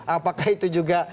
apakah itu juga